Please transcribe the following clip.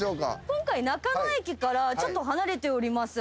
今回中野駅からちょっと離れております。